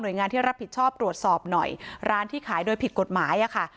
โดยงานที่รับผิดชอบตรวจสอบหน่อยร้านที่ขายโดยผิดกฎหมายอะค่ะ